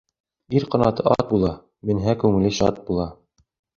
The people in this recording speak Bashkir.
Ир ҡанаты ат була, менһә, күңеле шат була.